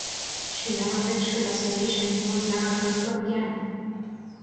She never reached her destination, and was never heard from again.